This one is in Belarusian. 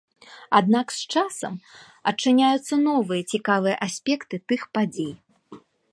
Аднак з часам адчыняюцца новыя цікавыя аспекты тых падзей.